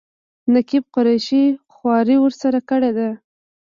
نقیب قریشي خواري ورسره کړې ده.